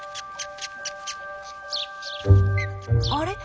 あれ？